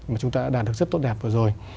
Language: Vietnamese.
mà chúng ta đã đạt được rất tốt đẹp vừa rồi